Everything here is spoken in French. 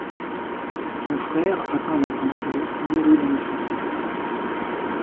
Son frère, atteint d'un cancer, mourut l'année suivante.